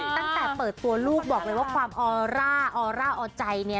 ตั้งแต่เปิดตัวลูกบอกไว้ว่าความออร่าออร่าอันใจ